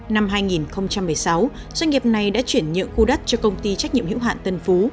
năm hai nghìn một mươi sáu doanh nghiệp này đã chuyển nhượng khu đất cho công ty trách nhiệm hữu hạn tân phú